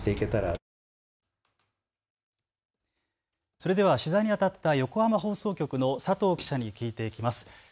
それでは取材にあたった横浜放送局の佐藤記者に聞いていきます。